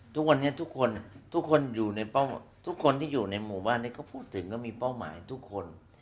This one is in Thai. ทุกวันนี้ทุกคนที่อยู่ในหมู่บ้านนี้ก็พูดถึงก็มีเป้าหมายทุกคน